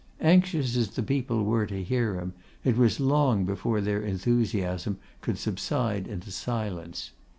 Anxious as the people were to hear him, it was long before their enthusiasm could subside into silence.